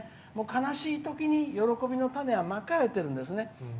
悲しいときに喜びの種はまかれているんですよね。